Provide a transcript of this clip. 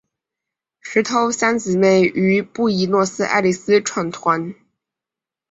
石头三姊妹于布宜诺斯艾利斯创团。